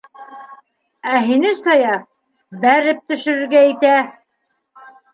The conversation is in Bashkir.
Ә һине Саяф... бәреп төшөрөргә итә!